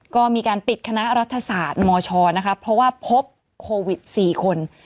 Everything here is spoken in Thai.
ก็มีการปิดคณะรัฐศาสตร์มชนะคะเพราะว่าพบโควิด๔คน